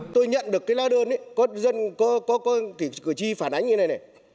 tôi nhận được cái la đơn có cử tri phản ánh như thế này này